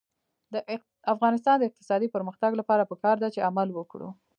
د افغانستان د اقتصادي پرمختګ لپاره پکار ده چې عمل وکړو.